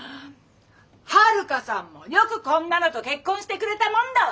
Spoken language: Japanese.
遥さんもよくこんなのと結婚してくれたもんだわ！